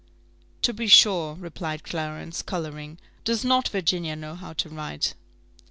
"To be sure," replied Clarence, colouring. "Does not Virginia know how to write?"